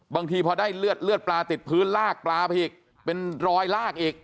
บางทีพอได้เลือดเลือดปลาติดพื้นลากปลาไปอีกเป็นรอยลากอีก